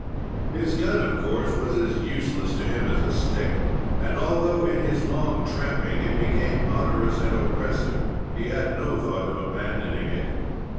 His gun, of course, was as useless to him as a stick, and although in his long tramping it became onerous and oppressive, he had no thought of abandoning it.